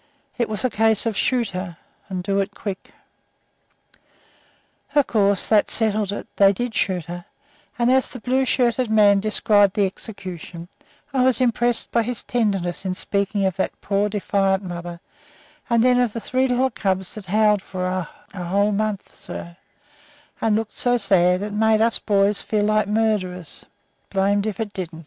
It was a case of "Shoot her, and do it quick." Of course, that settled it; they did shoot her, and as the blue shirted man described the execution I was impressed by his tenderness in speaking of that poor, defiant mother, and then of the three little cubs that "howled for her a whole month, sir, and looked so sad it made us boys feel like murderers, blamed if it didn't!"